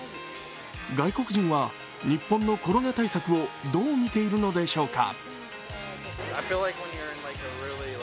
外国人は日本のコロナ対策をどう見ているのでしょうか。